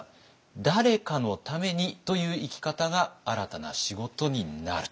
誰かのためにという生き方が新たな仕事になると。